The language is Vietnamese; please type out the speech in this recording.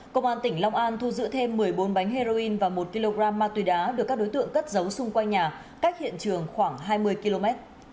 công an tỉnh long an thu giữ thêm một mươi bốn bánh heroin và một kg ma túy đá được các đối tượng cất giấu xung quanh nhà cách hiện trường khoảng hai mươi km